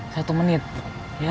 satu menit ya